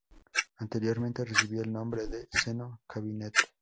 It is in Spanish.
Anteriormente recibía el nombre de seno Cabinet.